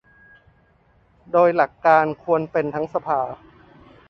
โดยหลักการควรเป็นทั้งสภา